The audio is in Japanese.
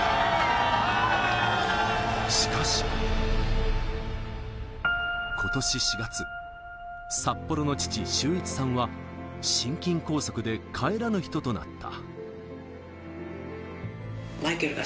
しかし、ことし４月、札幌の父・修一さんは心筋梗塞で帰らぬ人となった。